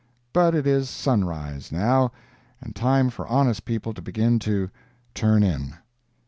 But it is sunrise, now, and time for honest people to begin to "turn in."